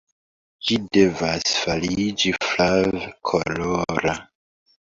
Ĝi devas fariĝi flav-kolora.